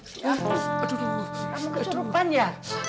kamu kecurupan ya